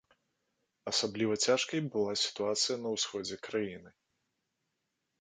Асабліва цяжкай была сітуацыя на ўсходзе краіны.